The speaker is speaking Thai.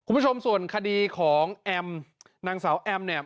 คุณผู้ชมส่วนคดีของแอมนางสาวแอมเนี่ย